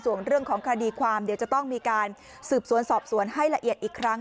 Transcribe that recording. ส่วนเรื่องของคดีความเดี๋ยวจะต้องมีการสืบสวนสอบสวนให้ละเอียดอีกครั้ง